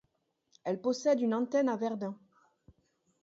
Elle possède une antenne à Verdun.